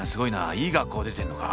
いい学校出てんのか。